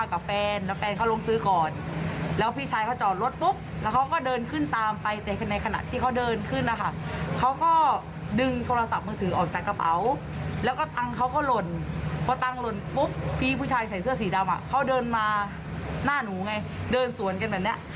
ตังเขาหล่นปุ๊บแล้วพี่เขาก็หยิบหยิบในขณะที่หยิบใช่ไหมคะก็หันไปพูดกับแกดีว่าพี่คะตังของเขา